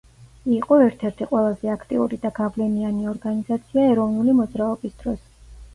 იყო ერთ–ერთი ყველაზე აქტიური და გავლენიანი ორგანიზაცია ეროვნული მოძრაობის დროს.